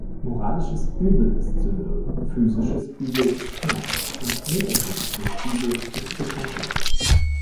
Moralisches Übel ist Sünde, physisches Übel ist Schmerz, und metaphysisches Übel ist Begrenzung.